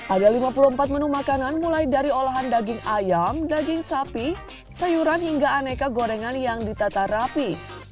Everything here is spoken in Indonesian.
ada lima puluh empat menu makanan mulai dari olahan daging ayam daging sapi sayuran hingga aneka gorengan yang ditata rapi